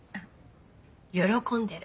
喜んでる。